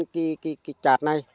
cái chạt này